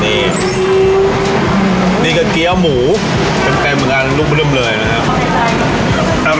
นี่ดีกับกี้แล้วหมูเป็นแผนกำงานลูกเริ่มเลยนะครับ